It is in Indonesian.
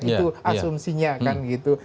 itu asumsinya kan gitu